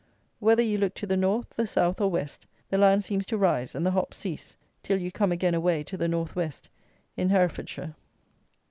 Whether you look to the north, the south, or west, the land seems to rise, and the hops cease, till you come again away to the north west, in Herefordshire.